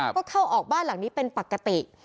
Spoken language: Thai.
ก็เข้าออกบ้านหลังนี้เป็นปกติ